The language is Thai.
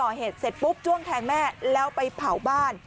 เสร็จปุ๊บจ้วงแทงแม่แล้วไปเผาบ้าน